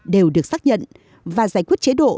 đều được xác nhận và giải quyết chế độ